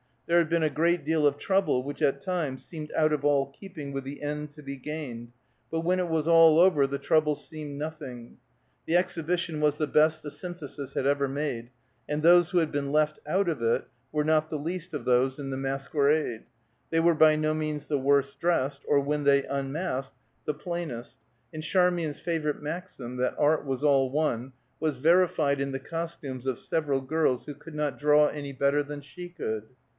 There had been a great deal of trouble which at times seemed out of all keeping with the end to be gained, but when it was all over, the trouble seemed nothing. The exhibition was the best the Synthesis had ever made, and those who had been left out of it were not the least of those in the masquerade; they were by no means the worst dressed, or when they unmasked, the plainest, and Charmian's favorite maxim that art was all one, was verified in the costumes of several girls who could not draw any better than she could.